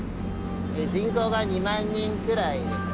人口が２万人くらいですね。